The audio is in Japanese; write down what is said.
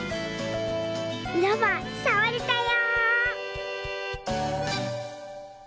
ロバさわれたよ！